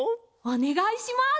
おねがいします！